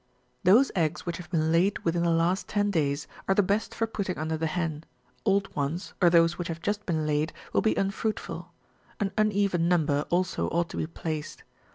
Those eggs which have been laid within the last ten days, are the best for putting under the hen ; old ones, or those which have just been laid, will be unfruitful ; an uneven number ' also ought to be placed.